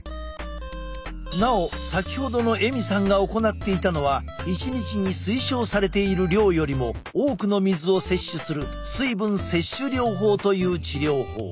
なお先ほどのエミさんが行っていたのは１日に推奨されている量よりも多くの水を摂取する水分摂取療法という治療法。